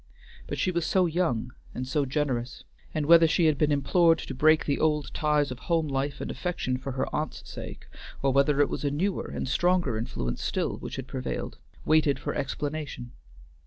But she was so young and so generous, and whether she had been implored to break the old ties of home life and affection for her aunt's sake, or whether it was a newer and stronger influence still which had prevailed, waited for explanation.